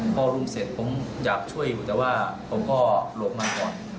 พอรุมเสร็จผมอยากช่วยอยู่แต่ว่าผมก็หลบมาก่อน